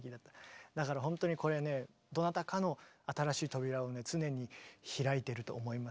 だからほんとにこれねどなたかの新しい扉をね常に開いてると思います。